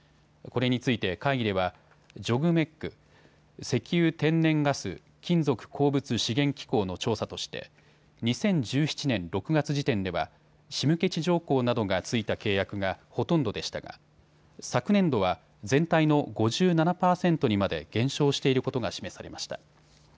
これについて会議にはＪＯＧＭＥＣ・石油天然ガス・金属鉱物資源機構の調査として２０１７年６月時点では仕向地条項などがついた契約がほとんどでしたが昨年度は全体の５７％にまで減少していることが示されました。